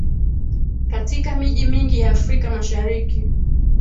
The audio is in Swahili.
katika miji mingi ya afrika mashariki